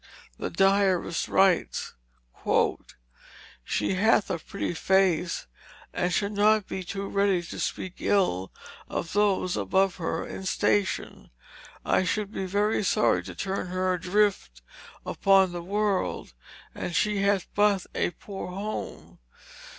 The diarist writes: "She hath a pretty face, and should not be too ready to speak ill of those above her in station. I should be very sorry to turn her adrift upon the world, and she hath but a poor home.